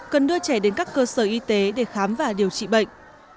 cần đưa trẻ đến các cơ sở y tế để khám và điều trị bệnh